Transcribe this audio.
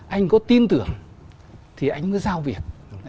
anh có tin tưởng thì anh mới giao việc